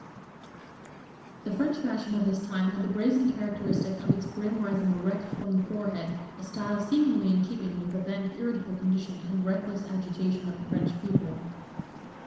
[Illustration: 1731] The French fashion of this time had the brazen characteristic of its brim rising erect from the forehead, a style seemingly in keeping with the then irritable condition and reckless agitation of the French people.